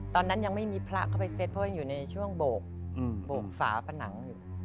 ตอนนั้นยังไม่มีพระเข้าไปเซ็ตเพราะยังอยู่ในช่วงโบกฝาผนังอยู่